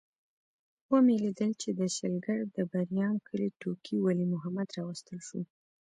ومې لیدل چې د شلګر د بریام کلي ټوکي ولي محمد راوستل شو.